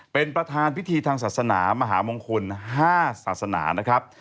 เป็นประธานพิธีทางศาสนามหามงคล๕ศาสนานะครับ